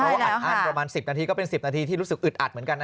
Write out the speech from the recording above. เพราะว่าอัดอั้นประมาณ๑๐นาทีก็เป็น๑๐นาทีที่รู้สึกอึดอัดเหมือนกันนะ